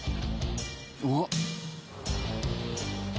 うわっ。